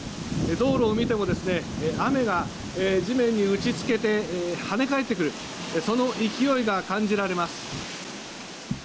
道路を見ても雨が地面に打ちつけて跳ね返ってくるその勢いが感じられます。